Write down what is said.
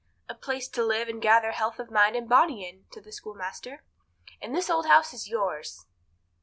"A place to live and gather health of mind and body in," said the schoolmaster; "and this old house is yours."